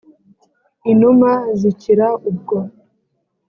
inuma zikira ubwo